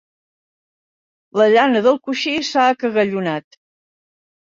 La llana del coixí s'ha acagallonat.